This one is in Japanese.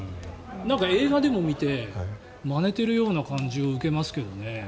映画でも見てまねてる感じを受けますけどね。